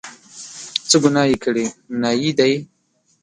څه ګناه یې کړې، نایي دی.